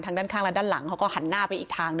ทางด้านข้างและด้านหลังเขาก็หันหน้าไปอีกทางหนึ่ง